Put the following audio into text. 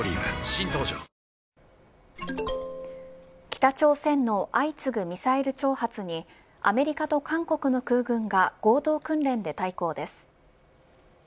北朝鮮の相次ぐミサイル挑発にアメリカと韓国の空軍が合同訓練で対抗です。